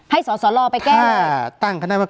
การแสดงความคิดเห็น